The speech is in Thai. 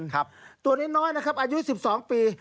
ตัวน้อยนะครับอายุ๑๒ปี